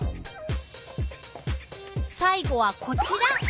さい後はこちら。